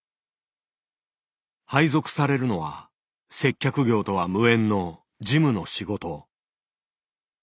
配属されるのは接客業とは無縁の事務の仕事。